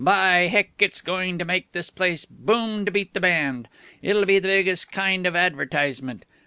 "By Heck, it's going to make this place boom to beat the band. It'll be the biggest kind of advertisement.